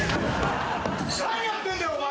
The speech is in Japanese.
何やってんだよお前！